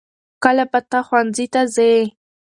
کله به ته ښوونځي ته ځې؟